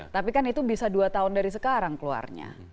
tapi kan itu bisa dua tahun dari sekarang keluarnya